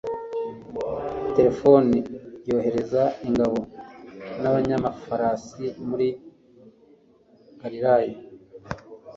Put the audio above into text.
tirifoni yohereza ingabo n'abanyamafarasi muri galileya